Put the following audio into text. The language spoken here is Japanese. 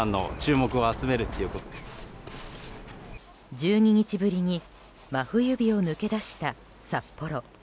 １２日ぶりに真冬日を抜け出した札幌。